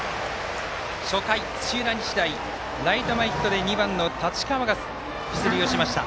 初回、土浦日大ライト前ヒットで２番の太刀川が出塁しました。